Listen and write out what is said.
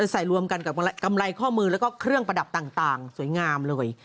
ใส่รวมกันกับกำไรข้อมือแล้วก็เครื่องประดับต่างสวยงามเลย